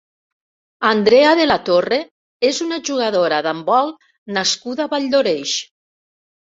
Andrea de la Torre és una jugadora d'handbol nascuda a Valldoreix.